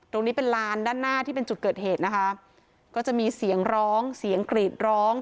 ตรงนี้เป็นลานด้านหน้าที่เป็นจุดเกิดเหตุนะคะก็จะมีเสียงร้องเสียงกรีดร้อง